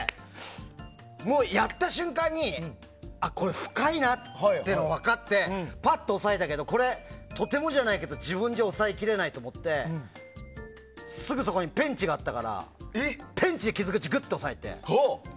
やった瞬間にこれ深いなっていうのが分かってパッと押さえたけどこれ、とてもじゃないけど自分で押さえきれないと思ってすぐそこにペンチがあったからペンチで傷口を押さえて。